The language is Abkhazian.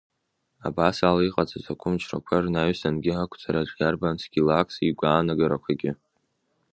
Абасала иҟаҵаз ақәымчрақәа рнаҩсангьы ақәҵараҿ иарбан Скилакс игәаанагарақәагьы.